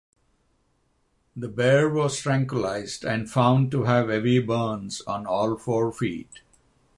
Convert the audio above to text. The bear was tranquilized and found to have heavy burns on all four feet.